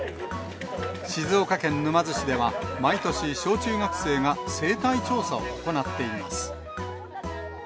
静岡県沼津市では、毎年、小中学生が生態調査を行っています。